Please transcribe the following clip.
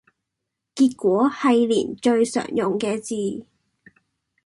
結果係連最常用嘅字